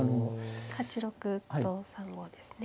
８六と３五ですね。